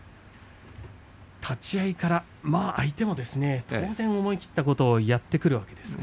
立ち合いから相手も当然思い切ったことをやってくるわけですが。